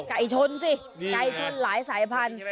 ไก่ชนสิไก่ชนหลายสายพันธุ